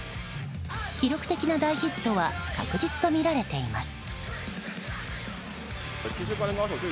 記録的な大ヒットは確実とみられています。